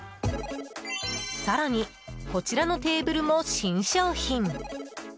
更に、こちらのテーブルも新商品。